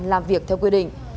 làm việc theo quy định